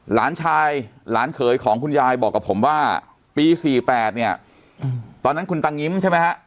หลานชายหลานเขยของคุณยายบอกกับผมว่าปี๔๘เนี่ยตอนนั้นคุณตังงิ้มใช่ไหมฮะ